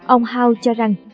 ông howe cho rằng